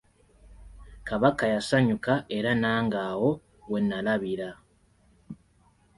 Kabaka yasanyuka era nange awo wennalabira.